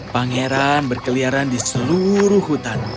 pangeran berkeliaran di seluruh hutan